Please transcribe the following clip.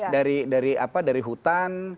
dari apa dari hutan